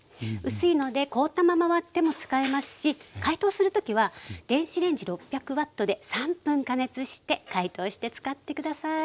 薄いので凍ったまま割っても使えますし解凍する時は電子レンジ６００Ｗで３分加熱して解凍して使って下さい。